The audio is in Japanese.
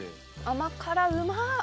甘辛うまっ！